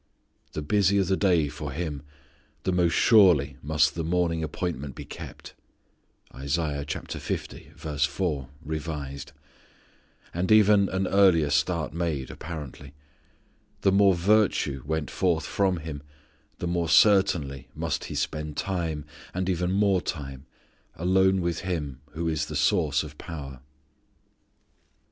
The busier the day for Him the more surely must the morning appointment be kept, and even an earlier start made, apparently. The more virtue went forth from Him, the more certainly must He spend time, and even more time, alone with Him who is the source of power.